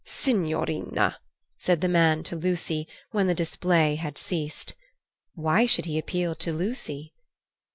"Signorina!" said the man to Lucy, when the display had ceased. Why should he appeal to Lucy?